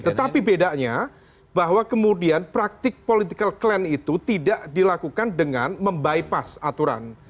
tetapi bedanya bahwa kemudian praktik political clan itu tidak dilakukan dengan membypass aturan